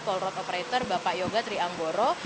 toll road operator bapak yoga trianggoro